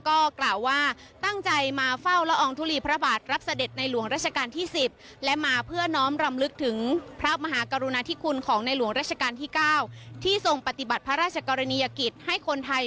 ก็กล่าวว่าตั้งใจมาเฝ้าละอองทุลีพระบาทรับเสด็จในหลวงราชการที่๑๐